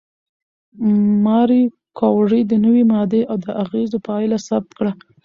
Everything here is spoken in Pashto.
ماري کوري د نوې ماده د اغېزو پایله ثبت کړه.